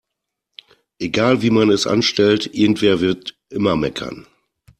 Egal wie man es anstellt, irgendwer wird immer meckern.